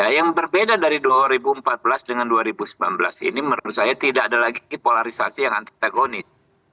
yang berbeda dari dua ribu empat belas dengan dua ribu sembilan belas ini menurut saya tidak ada lagi polarisasi yang antitekonis